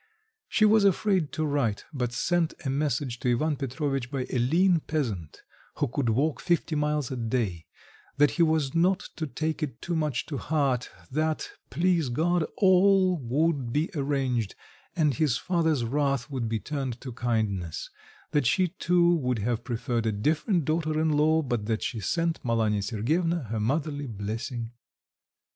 She was afraid to write, but sent a message to Ivan Petrovitch by a lean peasant, who could walk fifty miles a day, that he was not to take it too much to heart; that, please God, all would be arranged, and his father's wrath would be turned to kindness; that she too would have preferred a different daughter in law, but that she sent Malanya Sergyevna her motherly blessing.